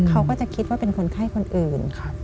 เขาก็จะคิดว่าเป็นคนไข้คนอื่น